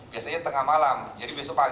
biasanya tengah malam jadi besok pagi